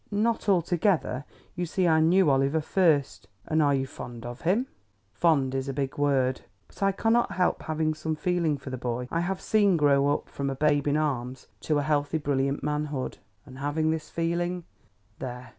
"Not altogether; you see I knew Oliver first." "And are fond of him?" "Fond is a big word. But I cannot help having some feeling for the boy I have seen grow up from a babe in arms to a healthy, brilliant manhood." "And having this feeling " "There!